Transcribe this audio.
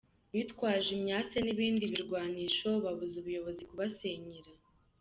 Bitwaje imyase n’ibindi birwanisho babuza ubuyobozi kubasenyera.